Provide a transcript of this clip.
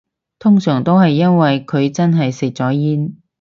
通常都係因為佢真係食咗煙